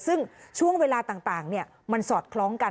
ซึ่งช่วงเวลาต่างมันสอดคล้องกัน